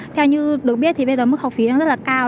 theo như được biết thì bây giờ mức học phí rất là cao